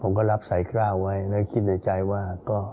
ผมก็รับใส่กล้าวไว้แล้วคิดในใจว่าก็